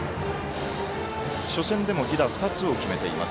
初戦でも犠打２つを決めています。